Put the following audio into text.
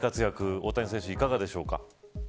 大谷選手、いかがでしょうか。